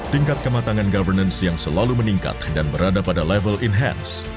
tingkat kematangan governance yang selalu meningkat dan berada pada level inhance